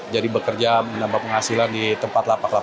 jadi bekerja menambah penghasilan di tempat lapak lapak